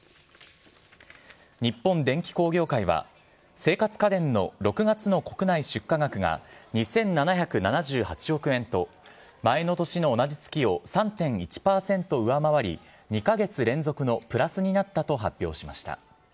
日本電機工業会は、生活家電の６月の国内出荷額が２７７８億円と、前の年の同じ月を３．１％上回り２か月連続のプラスになったと発表しました。